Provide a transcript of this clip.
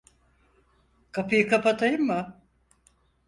Kapıyı kapatayım mı?